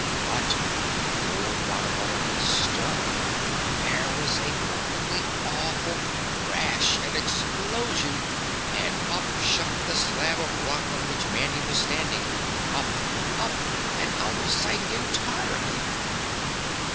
But before What a butter could stir, there was a perfectly awful crash and explosion and up shot the slab of rock on which Mandy was standing, up UP and out of sight entirely.